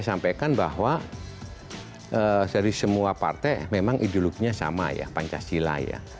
saya sampaikan bahwa dari semua partai memang ideologinya sama ya pancasila ya